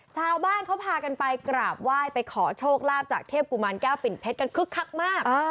ชาวบ้านเขาพากันไปกราบไหว้ไปขอโชคลาภจากเทพกุมารแก้วปิ่นเพชรกันคึกคักมาก